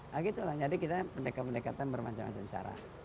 nah gitu lah jadi kita pendekatan pendekatan bermacam macam cara